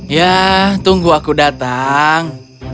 ya tunggu aku datang